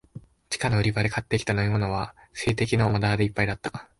地下の売り場で買ってきた飲みものは、水滴のまだらでいっぱいだった。